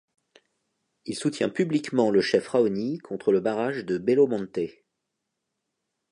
Il soutient publiquement le chef Raoni contre le Barrage de Belo Monte.